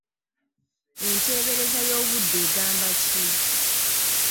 Entembereeza y’obudde egamba ki?